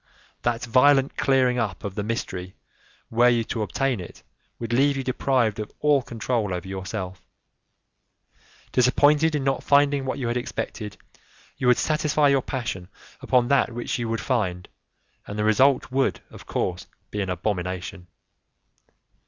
That violent clearing up of the mystery, were you to obtain it, would leave you deprived of all control over yourself. Disappointed in not finding what you had expected, you would satisfy your passion upon that which you would find, and the result would, of course, be an abomination.